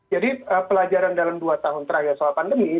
jadi pelajaran dalam dua tahun terakhir soal pandemi